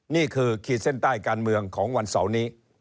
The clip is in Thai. ขีดเส้นใต้การเมืองของวันเสาร์นี้